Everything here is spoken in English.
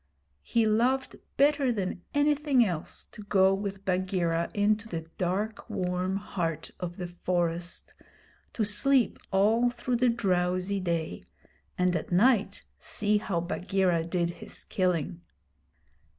He loved better than anything else to go with Bagheera into the dark warm heart of the forest, to sleep all through the drowsy day, and at night see how Bagheera did his killing.